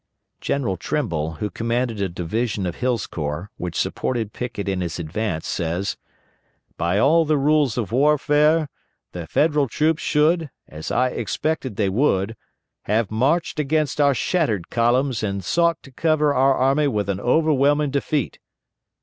General Trimble, who commanded a division of Hill's corps, which supported Pickett in his advance, says, "By all the rules of warfare the Federal troops should (as I expected they would) have marched against our shattered columns and sought to cover our army with an overwhelming defeat."